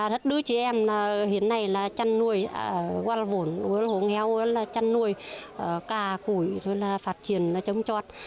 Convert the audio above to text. giúp nhiều hội viên phụ nữ được vai vốn